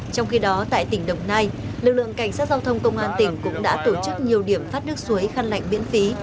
trong khi đó tại tỉnh đồng nai lực lượng cảnh sát giao thông công an tỉnh cũng đã tổ chức nhiều điểm phát nước suối khăn lạnh miễn phí